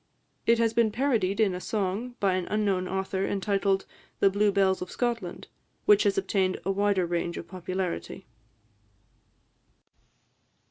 It has been parodied in a song, by an unknown author, entitled "The Blue Bells of Scotland," which has obtained a wider range of popularity.